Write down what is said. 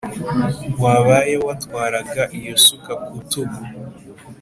wabaye watwaraga iyo suka ku rutugu